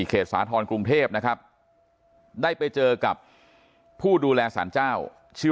สาธรณ์กรุงเทพนะครับได้ไปเจอกับผู้ดูแลสารเจ้าชื่อ